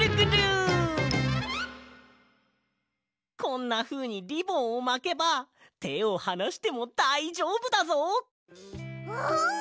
こんなふうにリボンをまけばてをはなしてもだいじょうぶだぞ。